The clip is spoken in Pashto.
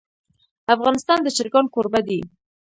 افغانستان د چرګان کوربه دی.